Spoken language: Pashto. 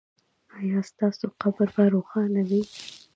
ایا ستاسو قبر به روښانه نه وي؟